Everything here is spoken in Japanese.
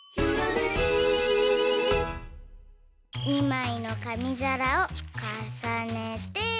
２まいのかみざらをかさねて。